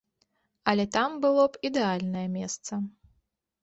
Але там было б ідэальнае месца.